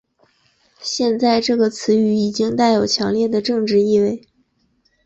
现在这个词语已经带有强烈的政治意味。